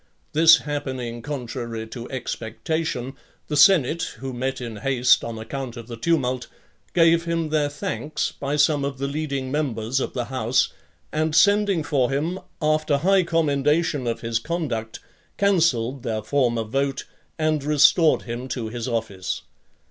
This happening contrary to expectation, the senate, who met in haste, on account of the tumult, gave him their thanks by some of the leading members of the house, and sending for him, after high commendation of his conduct, cancelled their former vote, and restored him to his office.